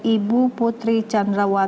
ibu putri chandrawati